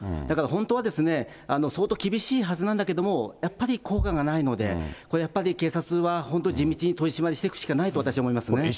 だから本当は、相当厳しいはずなんだけども、やっぱり効果がないので、これやっぱり警察は本当、地道に取り締まりしていくしかないと私思いますね。